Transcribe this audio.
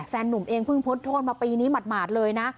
หนุ่มเองเพิ่งพ้นโทษมาปีนี้หมาดเลยนะ